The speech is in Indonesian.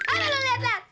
aduh lu lihat lihat